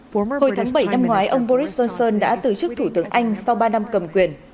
hồi tháng bảy năm ngoái ông boris johnson đã từ chức thủ tướng anh sau ba năm cầm quyền